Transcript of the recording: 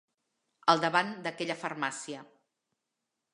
Al davant d'aquella farmàcia.